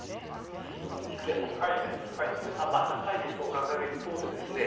御厨さんに伺いたいんですけど、安倍さん高い理想を掲げる一方でですね